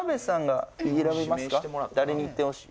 誰にいってほしい？